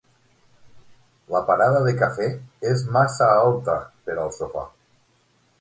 La parada de cafè és massa alta per al sofà.